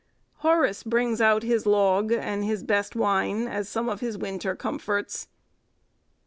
Horace brings out his log and his best wine, as some of his winter comforts.